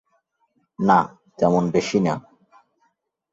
না, তেমন বেশী না।